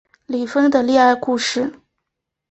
李锋的恋爱故事